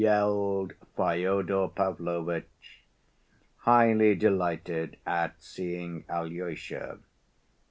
yelled Fyodor Pavlovitch, highly delighted at seeing Alyosha.